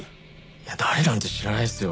いや誰なんて知らないっすよ。